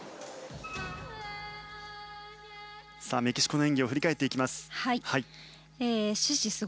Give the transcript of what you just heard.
メキシコの演技を振り返っていきます。